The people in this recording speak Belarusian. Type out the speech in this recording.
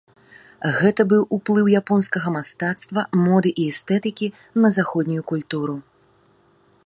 Гэта быў уплыў японскага мастацтва, моды і эстэтыкі на заходнюю культуру.